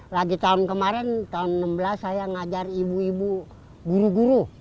lagi tahun kemarin tahun enam belas saya ngajar ibu ibu guru guru